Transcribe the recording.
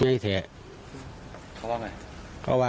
แม่พึ่งจะเอาดอกมะลิมากราบเท้า